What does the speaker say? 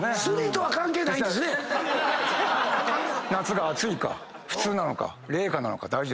夏が暑いか普通なのか冷夏なのか大事ですよね。